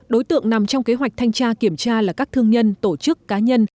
đối tượng nằm trong kế hoạch thanh tra kiểm tra là các thương nhân tổ chức cá nhân